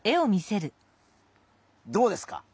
どうですか？